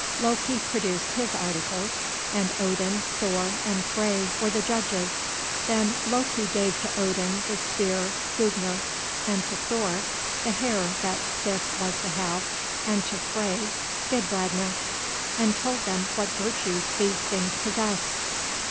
Loki produced his articles, and Odin, Thor, and Frey were the judges. Then Loki gave to Odin the spear Gugner, and to Thor the hair that Sif was to have, and to Frey Skidbladnir, and told them what virtues those things possessed.